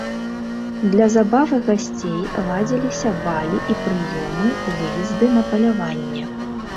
Для забавы гасцей ладзіліся балі і прыёмы, выезды на паляванне.